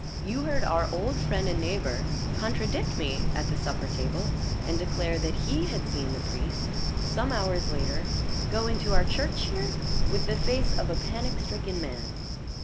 You heard our old friend and neighbor contradict me at the supper table, and declare that he had seen the priest, some hours later, go into our church here with the face of a panic stricken man.